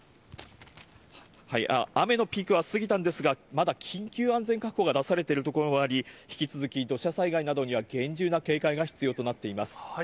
雨のピークは過ぎたんですが、まだ緊急安全確保が出されている所もあり、引き続き土砂災害などには厳重な警戒が必要となっています。